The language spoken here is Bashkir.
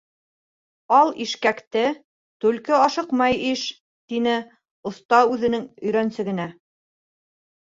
- Ал ишкәкте, түлке ашыҡмай иш! - тине оҫта үҙенең өйрәнсегенә.